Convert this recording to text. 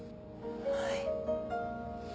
「はい」